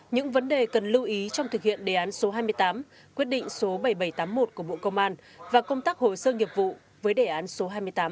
những vấn đề cần lưu ý trong thực hiện đề án số hai mươi tám quyết định số bảy nghìn bảy trăm tám mươi một của bộ công an và công tác hồ sơ nghiệp vụ với đề án số hai mươi tám